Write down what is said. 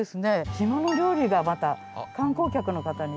島の料理がまた観光客の方にすごく。